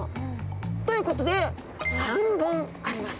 ということで３本あります。